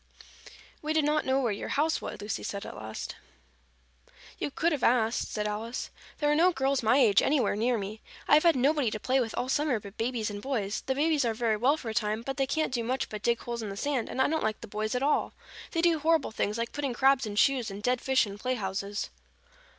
"We did not know where your house was," said Lucy at last. "You could have asked," said Alice. "There are no girls my age anywhere near me. I have had nobody to play with all summer but babies and boys. The babies are very well for a time, but they can't do much but dig holes in the sand, and I don't like the boys at all. They do horrible things, like putting crabs in shoes and dead fish in playhouses."